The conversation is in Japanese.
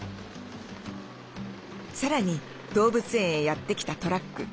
さらに動物園へやって来たトラック。